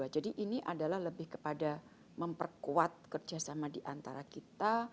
jadi ini adalah lebih kepada memperkuat kerja sama di antara kita